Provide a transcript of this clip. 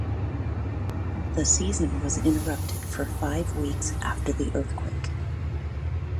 The season was interrupted for five weeks after the earthquake.